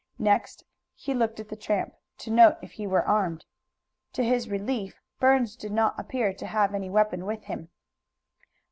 Next he looked at the tramp, to note if he were armed. To his relief, Burns did not appear to have any weapon with him.